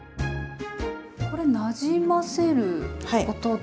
これなじませることで。